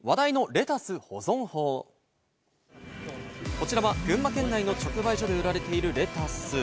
こちらは群馬県内の直売所で売られているレタス。